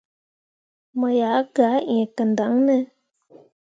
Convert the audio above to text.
Mo yah gah ẽe kǝndaŋne ?